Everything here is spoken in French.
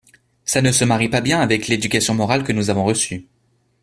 Ça ne se marie pas bien avec l’éducation morale que nous avons reçue.